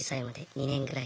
２年ぐらい。